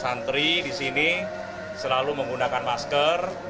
santri di sini selalu menggunakan masker